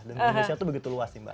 dan indonesia itu begitu luas sih mbak